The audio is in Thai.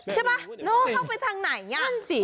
ใช่ป่ะเหรอเข้าไปทางไหนเนี่ย